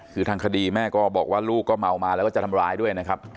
คือทางคดีแม่ก็บอกว่าลูกก็เมามาแล้วก็จะทำร้ายด้วยนะครับ